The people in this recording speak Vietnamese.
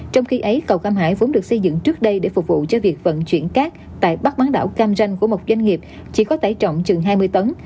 trong khi ấy cầu cam hải vốn được xây dựng trước đây để phục vụ cho việc vận chuyển cát tại bắc bán đảo cam ranh của một doanh nghiệp chỉ có tải trọng chừng hai mươi tấn